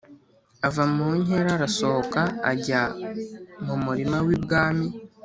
ava mu nkera arasohoka ajya mu murima w ibwami